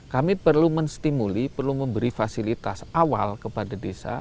kami perlu menstimuli perlu memberi fasilitas awal kepada desa